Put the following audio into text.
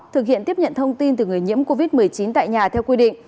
thực hiện tiếp nhận thông tin từ người nhiễm covid một mươi chín tại nhà theo quy định